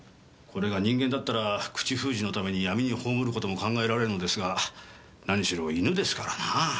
これが人間だったら口封じのために闇に葬る事も考えられるのですが何しろ犬ですからなぁ。